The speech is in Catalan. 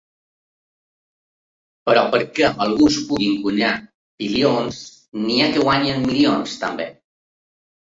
Però perquè alguns puguin guanyar bilions n’hi ha que guanyen milions, també.